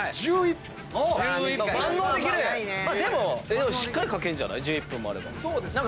でもしっかり描けるんじゃない１１分もあれば。